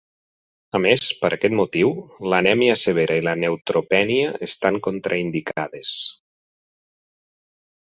A més, per aquest motiu, l'anèmia severa i la neutropènia estan contraindicades.